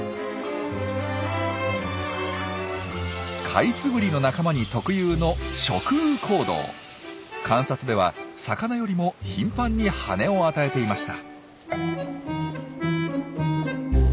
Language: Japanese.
カイツブリの仲間に特有の観察では魚よりも頻繁に羽根を与えていました。